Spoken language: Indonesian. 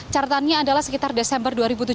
catatannya adalah sekitar desember dua ribu tujuh belas